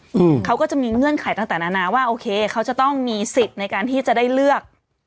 อืมเขาก็จะมีเงื่อนไขต่างต่างนานาว่าโอเคเขาจะต้องมีสิทธิ์ในการที่จะได้เลือก